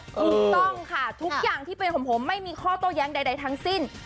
ถูกต้องค่ะทุกอย่างที่เป็นของผมไม่มีข้อโต้แย้งใดทั้งสิ้น